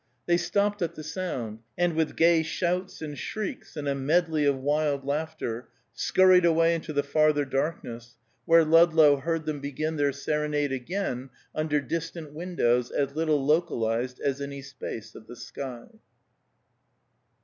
They stopped at the sound, and with gay shouts and shrieks, and a medley of wild laughter, skurried away into the farther darkness, where Ludlow heard them begin their serenade again under distant windows as little localized as any space of the sky.